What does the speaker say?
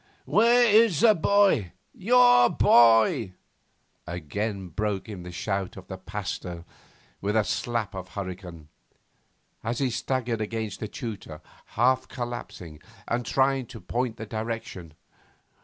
'Where is the boy your boy?' again broke in the shout of the Pasteur with a slap of hurricane, as he staggered against the tutor, half collapsing, and trying to point the direction.